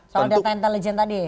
soal data intelijen tadi